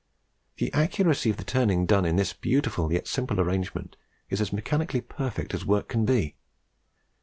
The accuracy of the turning done by this beautiful yet simple arrangement is as mechanically perfect as work can be.